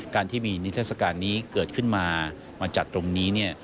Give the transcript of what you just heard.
การที่มีนิทรศการนี้เกิดขึ้นมามาจัดตรงนี้